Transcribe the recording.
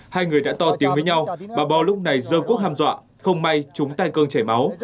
hai người đã to tiếng với nhau bà bo lúc này dơ quốc hàm dọa không may chúng tài cơ chảy máu